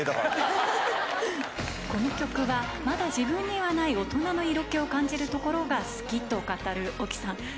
この曲はまだ自分にはない大人の色気を感じるところが好きと語る隠岐さん。